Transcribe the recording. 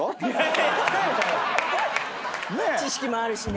知識もあるしね。